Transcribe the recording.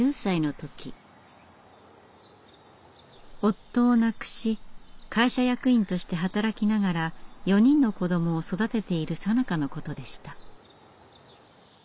夫を亡くし会社役員として働きながら４人の子どもを育てているさなかのことでした。